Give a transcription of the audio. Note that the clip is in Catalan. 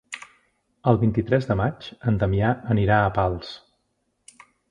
El vint-i-tres de maig en Damià anirà a Pals.